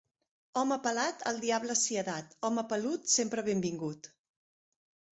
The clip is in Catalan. Home pelat al diable sia dat; home pelut, sempre benvingut.